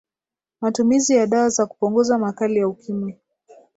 matumizi ya dawa za kupunguza makali ya ukimwi